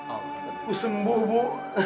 aku sembuh bu